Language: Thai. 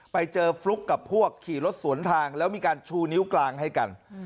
ไปเจอฟลุ๊กกับพวกขี่รถสวนทางแล้วมีการชูนิ้วกลางให้กัน